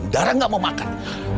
darah gak mau makan